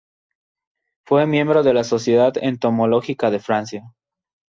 Fue miembro de la Sociedad entomológica de Francia.